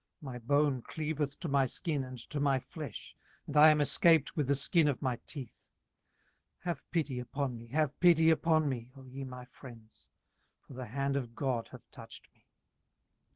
18:019:020 My bone cleaveth to my skin and to my flesh, and I am escaped with the skin of my teeth. 18:019:021 Have pity upon me, have pity upon me, O ye my friends; for the hand of God hath touched me.